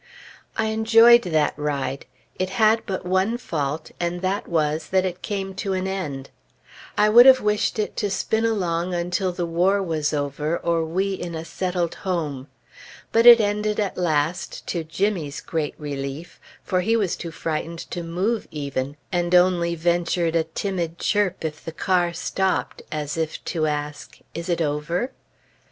I enjoyed that ride. It had but one fault; and that was, that it came to an end. I would have wished it to spin along until the war was over, or we in a settled home. But it ended at last, to Jimmy's great relief, for he was too frightened to move even, and only ventured a timid chirp if the car stopped, as if to ask, "Is it over?"